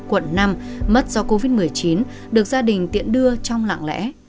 trong tích quận năm mất do covid một mươi chín được gia đình tiễn đưa trong lạng lẽ